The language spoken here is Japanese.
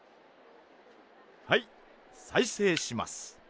はい再生します。